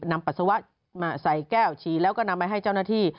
ปัสสาวะมาใส่แก้วฉี่แล้วก็นำไปให้เจ้าหน้าที่